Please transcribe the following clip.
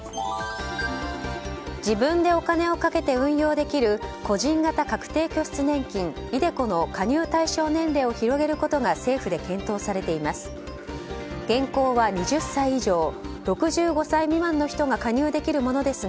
自分でお金をかけて運用できる個人型確定拠出年金ｉＤｅＣｏの加入対象年齢を広げることが政府で検討されています。